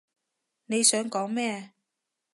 你想講咩？